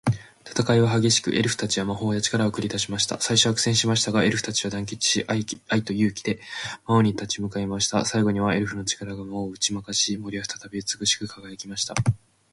戦いは激しく、エルフたちは魔法や力を繰り出しました。最初は苦戦しましたが、エルフたちは団結し、愛と勇気で魔王に立ち向かいました。最後には、エルフの力が魔王を打ち負かし、森は再び美しく輝きました。